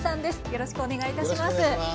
よろしくお願いします。